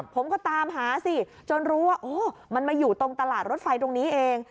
ผมก็ตามหาสิจนรู้ว่าโอ้มันมาอยู่ตรงตลาดรถไฟตรงนี้เอง